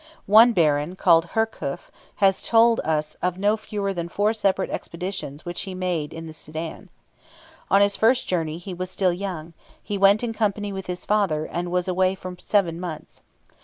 One baron, called Herkhuf, has told us of no fewer than four separate expeditions which he made into the Soudan. On his first journey, as he was still young, he went in company with his father, and was away for seven months.